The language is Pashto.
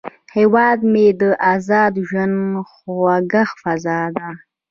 هیواد مې د ازاد ژوند خوږه فضا ده